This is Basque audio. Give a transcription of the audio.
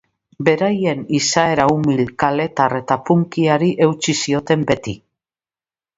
Beraien izaera umil, kaletar eta punkyari eutsi zioten beti.